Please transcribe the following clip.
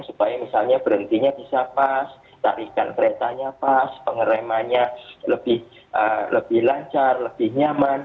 supaya misalnya berhentinya bisa pas tarikan keretanya pas pengeremannya lebih lancar lebih nyaman